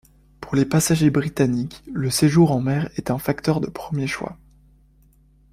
Pour les passagers britanniques, le séjour en mer est un facteur de premier choix.